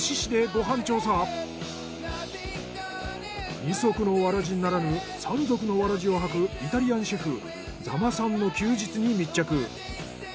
二足のわらじならぬ三足のわらじを履くイタリアンシェフ座間さんの休日に密着。